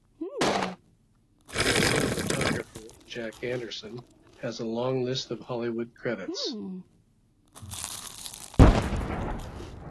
The cinematographer, Jack Anderson, has a long list of Hollywood credits.